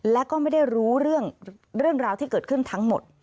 และก็ไม่ได้รู้เรื่องราวที่เกิดขึ้นทั้งหมด